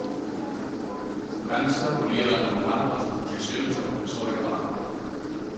França volia anul·lar les oposicions a professor de català